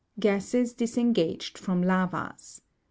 Gases disengaged from Lavas.